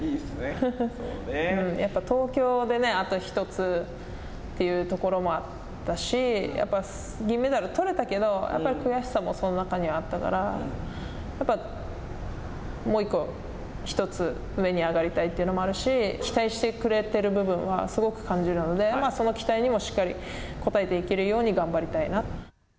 やっぱり東京であと１つというところもあったし、やっぱり銀メダル取れたけどやっぱり悔しさもその中にはあったから、やっぱりもう１個、１つ上に上がりたいというのもあるし、期待してくれている部分は、すごく感じるので、まあその期待にもしっかり応えていけるように頑張